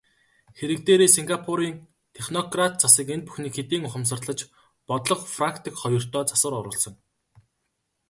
Хэрэг дээрээ Сингапурын технократ засаг энэ бүхнийг хэдийн ухамсарлаж бодлого, практик хоёртоо засвар оруулсан.